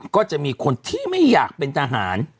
ก็จะมีคนที่ไม่อยากเป็นทหาร